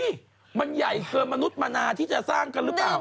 นี่มันใหญ่เกินมนุษย์มนาที่จะสร้างกันหรือเปล่า